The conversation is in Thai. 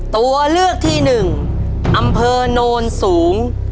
ตัวเลือกที่หนึ่งอำเภอโนนสูง